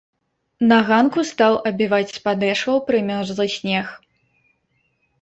На ганку стаў абіваць з падэшваў прымёрзлы снег.